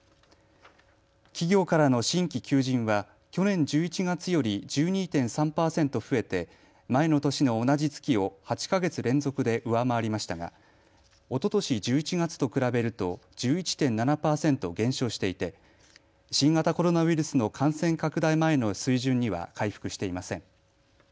企業からの新規求人は去年１１月より１２．３％増えて前の年の同じ月を８か月連続で上回りましたがおととし１１月と比べると１１．７％減少していて新型コロナウイルスの感染拡大前の水準には回復していません。